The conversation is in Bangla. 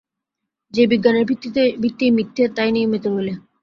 যে বিজ্ঞানের ভিত্তিই মিথ্যে তাই নিয়ে মেতে রইলে।